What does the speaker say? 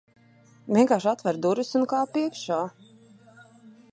Vienkārši atver durvis, un kāp iekšā.